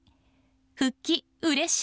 復帰、うれしい！